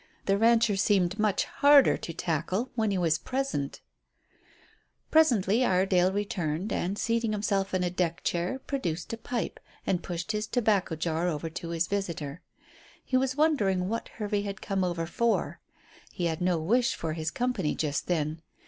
The rancher seemed much harder to tackle when he was present. Presently Iredale returned, and, seating himself in a deck chair, produced a pipe, and pushed his tobacco jar over to his visitor. He was wondering what Hervey had come over for. He had no wish for his company just then.